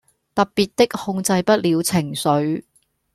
特別的控制不了情緒